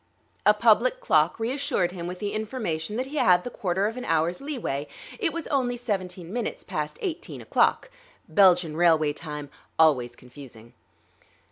A public clock reassured him with the information that he had the quarter of an hour's leeway; it was only seventeen minutes past eighteen o'clock (Belgian railway time, always confusing).